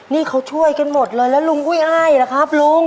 นี่เขาช่วยกันหมดเลยแล้วลุงอุ้ยอ้ายล่ะครับลุง